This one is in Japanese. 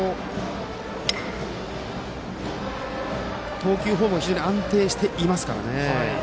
投球フォームも安定していますから。